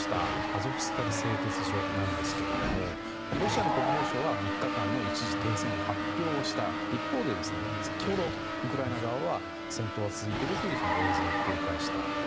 アゾフスタリ製鉄所ですがロシアの国防省は３日間の一時停戦を発表した一方で先ほど、ウクライナ側は戦闘は続いているという映像を公開した。